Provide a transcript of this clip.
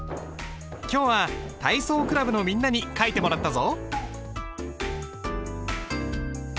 今日は体操クラブのみんなに書いてもらったぞ。